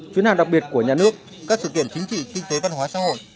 chuyến hàng đặc biệt của nhà nước các sự kiện chính trị kinh tế văn hóa xã hội